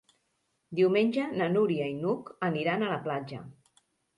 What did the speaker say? Diumenge na Núria i n'Hug aniran a la platja.